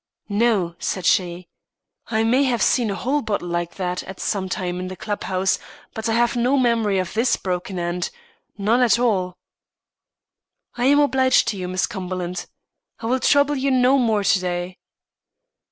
"No," said she. "I may have seen a whole bottle like that, at some time in the club house, but I have no memory of this broken end none at all." "I am obliged to you, Miss Cumberland. I will trouble you no more to day."